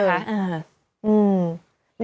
อืม